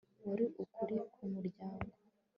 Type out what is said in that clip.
wari uri ku muryango